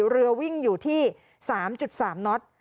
เรือวิ่งอยู่ที่๓๓น็อต